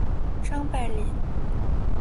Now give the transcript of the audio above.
张百麟。